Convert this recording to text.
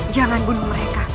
jangan bunuh mereka